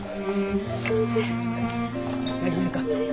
大事ないか。